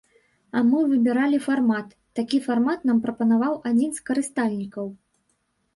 А мы выбіралі фармат, такі фармат нам прапанаваў адзін з карыстальнікаў.